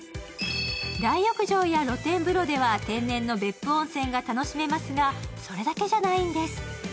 大浴場や露天風呂では天然の別府温泉が楽しめますが、それだけじゃないんです。